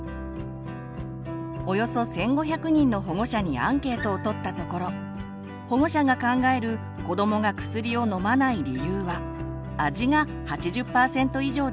およそ１，５００人の保護者にアンケートを取ったところ保護者が考える子どもが薬を飲まない理由は「味」が８０％以上でした。